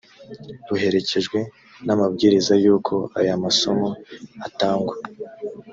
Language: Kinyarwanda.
ruherekejwe n’amabwiriza y’uko aya masomo atangwa